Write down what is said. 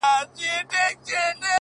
ستا د واده شپې ته شراب پيدا کوم څيښم يې-